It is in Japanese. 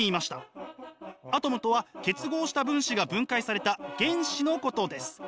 アトムとは結合した分子が分解された原子のことです。